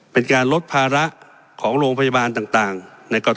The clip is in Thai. เป็นการลดภาระของโรงพยาบาลต่าง